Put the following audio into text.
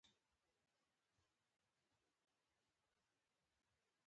مازيګر به د سيند غاړې ته چکر له لاړ شو